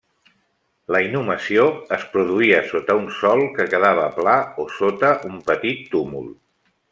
La inhumació es produïa sota un sòl que quedava pla o sota un petit túmul.